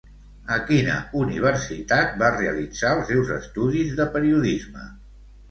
A quina universitat va realitzar els seus estudis de periodisme?